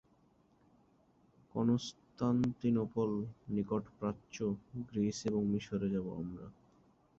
Constantinople, নিকট প্রাচ্য, Greece এবং মিশরে যাব আমরা।